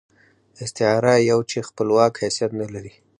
استعاره يو چې خپلواک حيثيت نه لري.